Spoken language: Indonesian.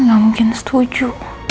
nggak mungkin setuju